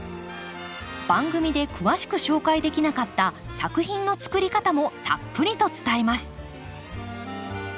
番組で詳しく紹介できなかった作品のつくり方もたっぷりと伝えます。